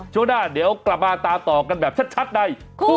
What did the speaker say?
ช่วงหน้าเดี๋ยวกลับมาตามต่อกันแบบชัดในคู่